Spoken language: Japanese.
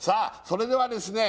それではですね